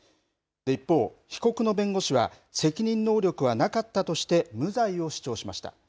一方、被告の弁護士は、責任能力はなかったとして、無罪を主張しました。